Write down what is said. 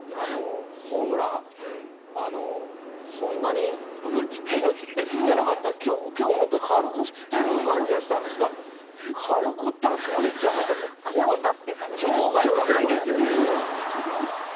ホームラン、そんなに思い切って振ってなかった、きょう、本当に軽く振ってる感じはしたんですが、軽く打って、あそこまでいっちゃうと、ほぼ場外ですよ、これ。